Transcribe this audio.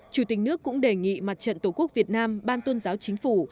chủ tịch nước cũng đề nghị mặt trận tổ quốc việt nam ban tôn giáo chính phủ